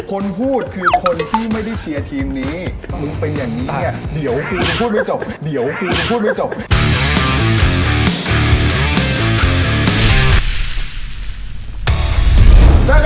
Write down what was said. คนพูดคือคนที่ไม่ได้เชียร์ทีมนี้มึงเป็นแบบนี้เดี่ยวพูดไว้จบ